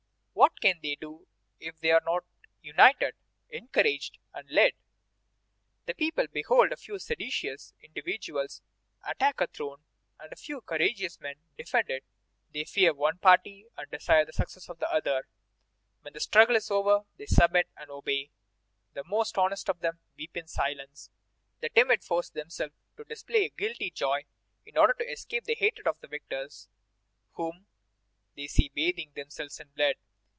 What can they do if they are not united, encouraged, and led? The people behold a few seditious individuals attack a throne, and a few courageous men defend it; they fear one party and desire the success of the other. When the struggle is over, they submit and obey. The most honest of them weep in silence, the timid force themselves to display a guilty joy in order to escape the hatred of the victors whom they see bathing themselves in blood.